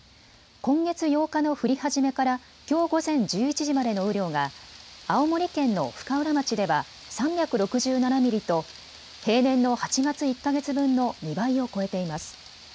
今月８日の降り始めからきょう午前１１時までの雨量が青森県の深浦町では３６７ミリと平年の８月１か月分の２倍を超えています。